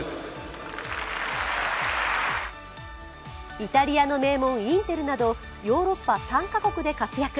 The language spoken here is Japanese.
イタリアの名門、インテルなどヨーロッパ３カ国で活躍。